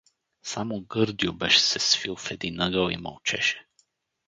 Само Гърдю беше се свил в един ъгъл и мълчеше.